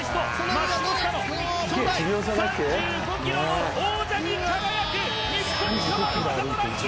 初代３５ｋｍの王者に輝く